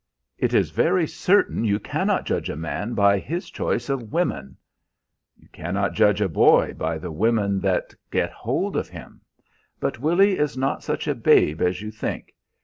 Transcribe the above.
"It is very certain you cannot judge a man by his choice of women." "You cannot judge a boy by the women that get hold of him. But Willy is not such a babe as you think.